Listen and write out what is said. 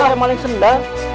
ada yang maling senda